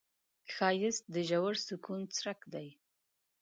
ښایست د ژور سکون څرک دی